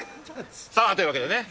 さあ、というわけでね。